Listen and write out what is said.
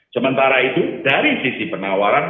sementara itu dari sisi penawaran